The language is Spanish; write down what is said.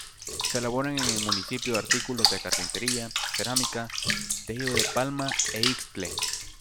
Se elaboran en el municipio artículos de carpintería, cerámica, tejido de palma e ixtle...